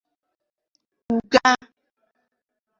Ụga